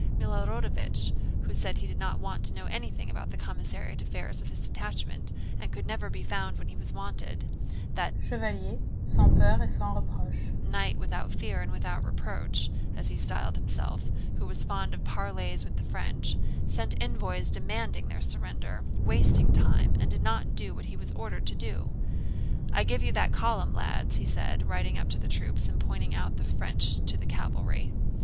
Milorádovich, who said he did not want to know anything about the commissariat affairs of his detachment, and could never be found when he was wanted—that chevalier sans peur et sans reproche * as he styled himself—who was fond of parleys with the French, sent envoys demanding their surrender, wasted time, and did not do what he was ordered to do. * Knight without fear and without reproach. "I give you that column, lads," he said, riding up to the troops and pointing out the French to the cavalry.